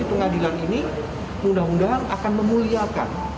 jadi pengadilan ini undang undangan akan memuliakan